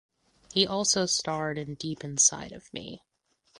He also starred in "Deep Inside of Me".